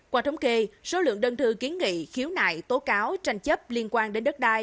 qua thống kê số lượng đơn thư kiến nghị khiếu nại tố cáo tranh chấp liên quan đến đất đai